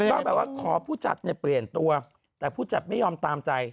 ก็แบบว่าขอผู้จัดเนี่ยเปลี่ยนตัวแต่ผู้จัดไม่ยอมตามใจ